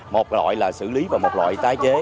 một loại là xử lý và một loại tái chế